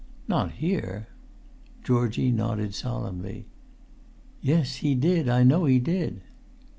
"Not here?" Georgie nodded solemnly. "Yes, he did. I know he did."